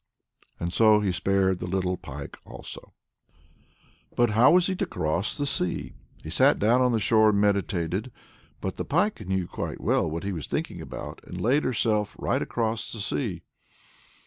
And so he spared the little pike also. But how was he to cross the sea? He sat down on the shore and meditated. But the pike knew quite well what he was thinking about, and laid herself right across the sea.